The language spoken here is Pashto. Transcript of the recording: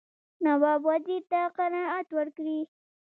نواب وزیر ته قناعت ورکړي.